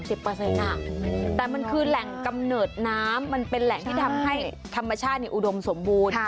แต่มันคือแหล่งกำเนิดน้ำมันเป็นแหล่งที่ทำให้ธรรมชาติอุดมสมบูรณ์